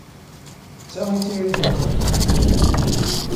D ta i d tiririt-nkent?